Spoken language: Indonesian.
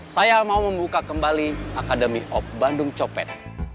saya mau membuka kembali academy op bandung copet